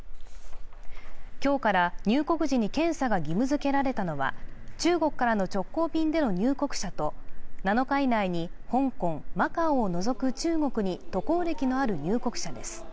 今日から入国時に検査が義務づけられたのは中国からの直行便での入国者と７日以内に香港、マカオを除く中国に渡航歴のある入国者です。